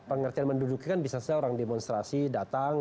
pengertian menduduki kan bisa saja orang demonstrasi datang